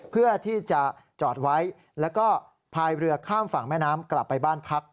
เพื่อที่จะจอดไว้แล้วก็พายเรือข้ามฝั่งแม่น้ำกลับไปบ้านพัก